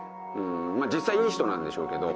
実際いい人なんでしょうけど。